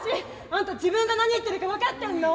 あんた自分が何言ってるか分かってんの？